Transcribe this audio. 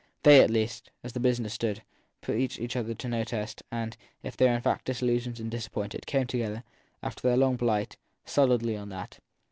They, at least, as the business stood, put each other to no test, and, if they were in fact dis illusioned and disappointed, came together, after their long blight, solidly on that.